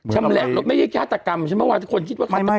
ชำแหละรถไม่ได้ฆาตกรรมฉันเมื่อวานทุกคนคิดว่าฆาตกรรม